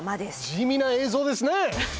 地味な映像ですね。